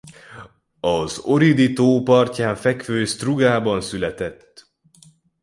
Az Ohridi-tó partján fekvő Sztrugában született.